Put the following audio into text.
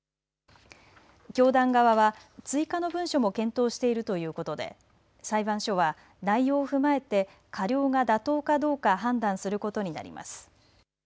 教団側は追加の文書も検討しているということで裁判所は内容を踏まえて過料が妥当かどうか判断することになります。